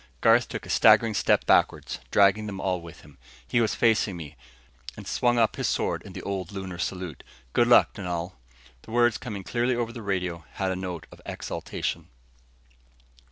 Garth took a staggering step backward, dragging them all with him. He was facing me, and swung up his sword in the old Lunar salute. "Good luck, Dunal." The words, coming clearly over the radio, had a note of exaltation.